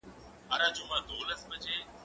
زه کولای سم مرسته وکړم!.